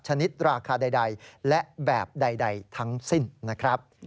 ชนิดราคาใดและแบบใดทั้งสิ้นนะครับ